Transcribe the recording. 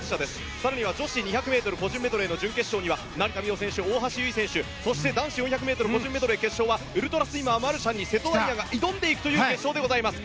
更には女子２００ｍ個人メドレーには成田実生選手、大橋悠依選手男子４００ｍ個人メドレー決勝にはマルシャンに瀬戸大也が挑んでいくという決勝でございます。